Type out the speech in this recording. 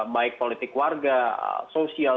baik politik warga sosial